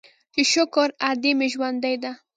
چې شکر ادې مې ژوندۍ ده.